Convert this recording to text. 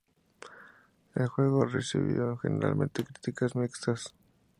El juego recibió generalmente críticas mixtas.